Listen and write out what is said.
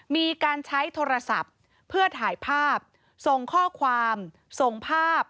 มีการใช้โทรศัพท์เพื่อถ่ายภาพส่งข้อความส่งภาพ